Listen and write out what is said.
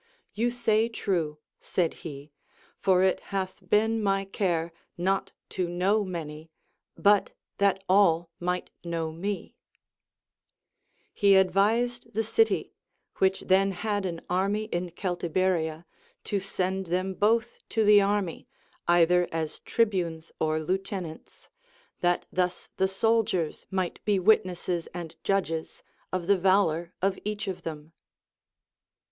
You say true, said he, for it hath been my care not to know niany, but that all might know me. He ad « See Odyss. X. 495. AND GREAT COMMANDERS. 237 vised the city, which then had an army in Celtiberia, to send them both to the army, either as tribunes or lieuten ants, that thus the soldiers might be witnesses and judges of the valor of each of them.